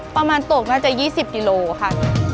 ประมาณตกน่าจะยี่สิบกิโลค่ะ